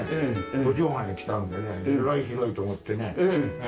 ４畳半に来たんでねえらい広いと思ってね。